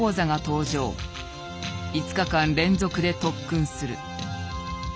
５日間連続で特訓する。